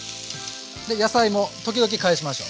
で野菜も時々返しましょう。